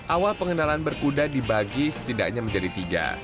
awal pengenalan berkuda dibagi setidaknya menjadi tiga